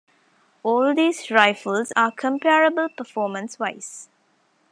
All these rifles are comparable performance-wise.